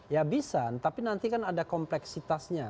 ya bisa tapi nanti kan ada kompleksitasnya